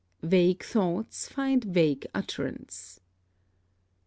Vague thoughts find vague utterance.